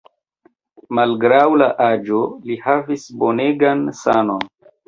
Malgraŭ la aĝo, li havis bonegan sanon.